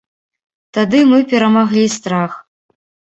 Тады мы перамаглі страх.